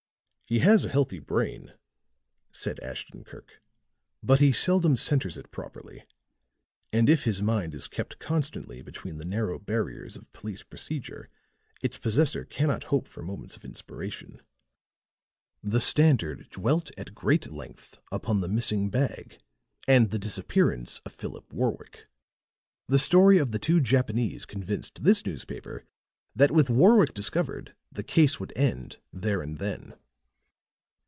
"He has a healthy brain," said Ashton Kirk, "but he seldom centers it properly. And if his mind is kept constantly between the narrow barriers of police procedure, its possessor cannot hope for moments of inspiration." The Standard dwelt at great length upon the missing bag and the disappearance of Philip Warwick. The story of the two Japanese convinced this newspaper that with Warwick discovered the case would end there and then.